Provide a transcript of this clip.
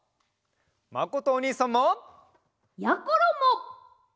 まことおにいさんも！やころも！